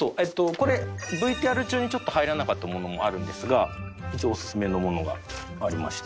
これＶＴＲ中にちょっと入らなかったものもあるんですがオススメのものがありまして。